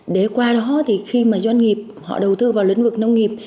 để qua đó thì khi doanh nghiệp đầu tư vào lĩnh vực nông nghiệp